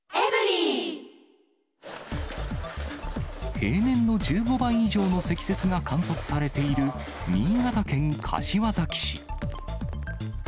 平年の１５倍以上の積雪が観測されている新潟県柏崎市。